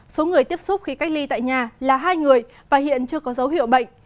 số người tiếp xúc khi cách ly tại nhà là hai người và hiện chưa có dấu hiệu bệnh